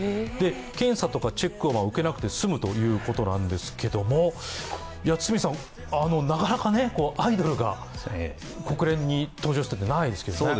検査とかチェックを受けなくて済むということなんですけれどもなかなかアイドルが国連に登場するってないですけどね。